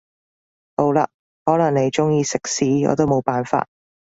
好啦，可能你鍾意食屎我都冇辦法